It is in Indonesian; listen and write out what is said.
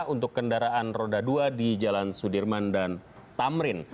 untuk kendaraan roda dua di jalan sudirman dan tamrin